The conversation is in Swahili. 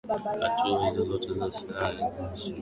Hutoa tuzo kwa zile filamu zinazoshinda ubora kila mwaka